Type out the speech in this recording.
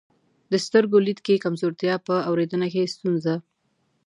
د سترګو لید کې کمزورتیا، په اورېدنه کې ستونزه،